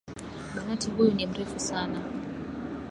Banati huyu ni mrefu sana.